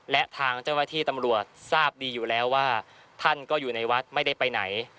และทางเจ้าหน้าที่ตำรวจทราบดีอยู่แล้วว่าท่านก็อยู่ในวัดไม่ได้ไปไหน